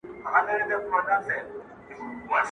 ته چې زما په دې سپيـــــــــڅلي میـــنې تـــور لګـــــوي